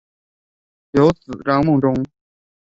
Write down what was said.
有子张孟中。